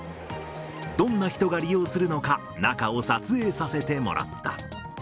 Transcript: どんな人が利用するのか、中を撮影させてもらった。